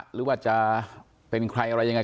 หรือว่าจะเป็นใครอะไรยังไง